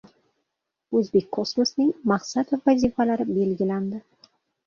"O‘zbekkosmos"ning maqsad va vazifalari belgilandi